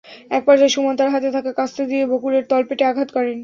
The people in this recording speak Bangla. একপর্যায়ে সুমন তাঁর হাতে থাকা কাস্তে দিয়ে বকুলের তলপেটে আঘাত করেন।